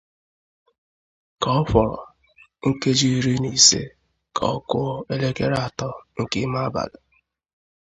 ka ọ fọrọ nkeji iri na ise ka ọ kụọ elekere atọ nke ime abalị.